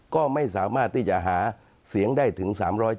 ก็ไม่สามารถที่จะหาเสียงได้ถึง๓๗